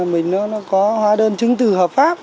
mình có hóa đơn chứng từ hợp pháp